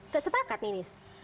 kecepatan nih nis